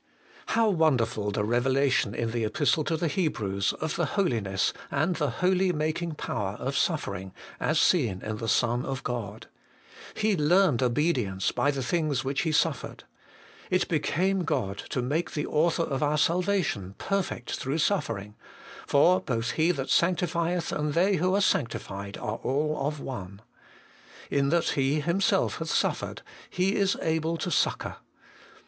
1. How wonderful the revelation in the Epistle to the Hebrews of the holiness and the holy making power of suffering, as seen in the Son of God ! 'He learned obedience by the things which He suffered.' 'It became God to make the Author of our salvation perfect through suffering, for both He that sanctifieth and they who are sanctified are all of one.' 'In that He Him self hath suffered, He is able to succour.'